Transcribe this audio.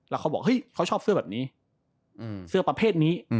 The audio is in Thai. แล้วเขาบอกเฮ้ยเขาชอบเสื้อแบบนี้เสื้อประเภทนี้